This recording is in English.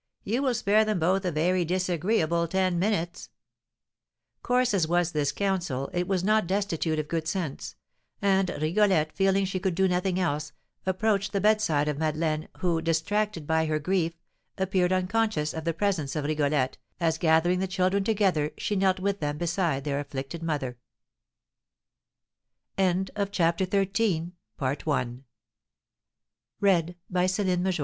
You will spare them both a very disagreeable ten minutes!" Coarse as was this counsel, it was not destitute of good sense; and Rigolette, feeling she could do nothing else, approached the bedside of Madeleine, who, distracted by her grief, appeared unconscious of the presence of Rigolette, as, gathering the children together, she knelt with them beside their afflicte